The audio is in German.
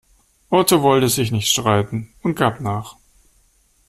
Otto wollte sich nicht streiten und gab nach.